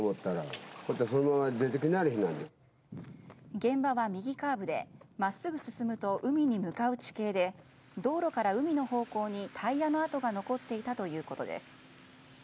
現場は右カーブで真っすぐ進むと海に向かう地形で道路から海の方向にタイヤの跡が残っていたということです。